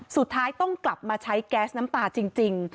สุดท้ายต้องกลับมาใช้แก๊สน้ำตาจริง